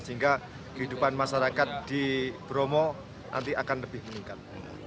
sehingga kehidupan masyarakat di bromo nanti akan lebih meningkat